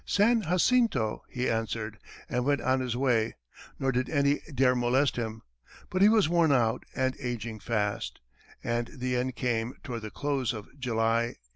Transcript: "San Jacinto," he answered, and went on his way, nor did any dare molest him. But he was worn out and aging fast, and the end came toward the close of July, 1863.